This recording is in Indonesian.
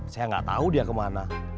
saya nggak tahu dia kemana